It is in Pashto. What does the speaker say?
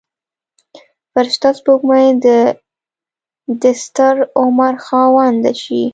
فرشته سپوږمۍ د دستر عمر خاونده شي.